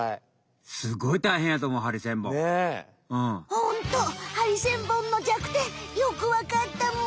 ホントハリセンボンの弱点よくわかったむ。